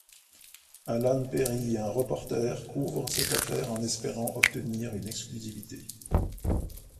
Allan Perry, un reporter, couvre cette affaire en espérant obtenir une exclusivité.